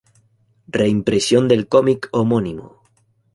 Reimpresión del cómic homónimo.